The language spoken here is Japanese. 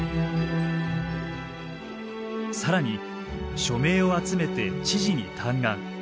更に署名を集めて知事に嘆願。